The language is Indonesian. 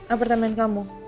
apa temen kamu